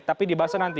tapi dibahas nanti